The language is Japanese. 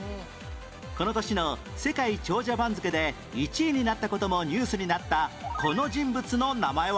この年の世界長者番付で１位になった事もニュースになったこの人物の名前は？